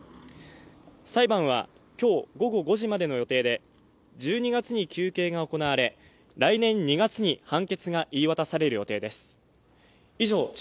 裁判は、今日午後５時までの予定で１２月に求刑が行われ来年２月に判決が言い渡される予定です。